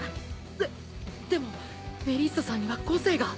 ででもメリッサさんには個性が。